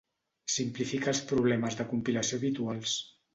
Simplifica els problemes de compilació habituals.